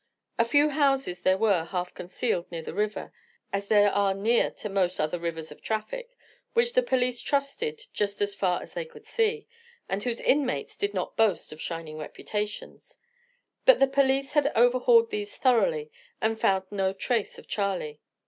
A few houses there were, half concealed near the river, as there are near to most other rivers of traffic, which the police trusted just as far as they could see, and whose inmates did not boast of shining reputations; but the police had overhauled these thoroughly, and found no trace of Charley.